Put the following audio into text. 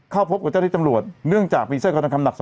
เข้าพบกว่าเจ้าตีนจำรวจเนื่องจากมีเส้นคำดับ